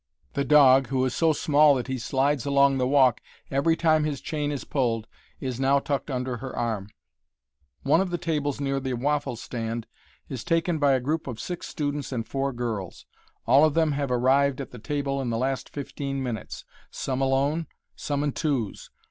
The dog, who is so small that he slides along the walk every time his chain is pulled, is now tucked under her arm. One of the tables near the waffle stand is taken by a group of six students and four girls. All of them have arrived at the table in the last fifteen minutes some alone, some in twos.